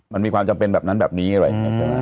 มันมีความจำเป็นแบบนั้นแบบนี้แหละ